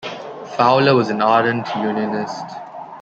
Fowler was an ardent Unionist.